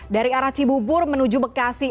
dari arah cibubur menuju bekasi